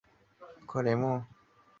热解发生的温度约为。